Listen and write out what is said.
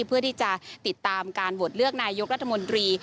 เพื่อที่จะติดตามการโหวตเลือกนายกรัฐมนตรี